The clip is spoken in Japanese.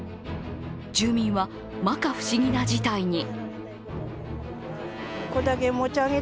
住民は摩訶不思議な事態に。